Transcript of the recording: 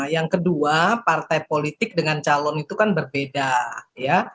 yang kedua partai politik dengan calon itu kan berbeda ya